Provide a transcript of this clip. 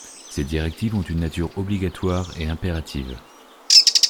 Ces directives ont une nature obligatoire et impérative.